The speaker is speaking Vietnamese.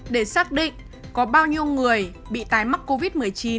để xác định có bao nhiêu người bị tái mắc covid một mươi chín